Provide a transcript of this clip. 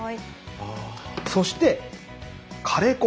そしてカレー粉。